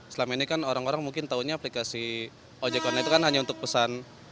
selama ini kan orang orang mungkin taunya aplikasi ojekon itu kan hanya untuk pesan